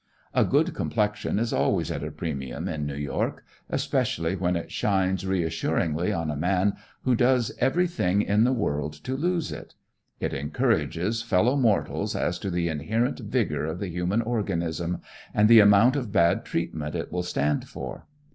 A good complexion is always at a premium in New York, especially when it shines reassuringly on a man who does everything in the world to lose it. It encourages fellow mortals as to the inherent vigor of the human organism and the amount of bad treatment it will stand for.